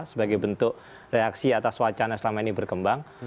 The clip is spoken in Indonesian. sebagai bentuk reaksi atas wacana yang selama ini berkembang